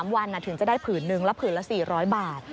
วันถึงจะได้ผืนนึงละผื่นละ๔๐๐บาท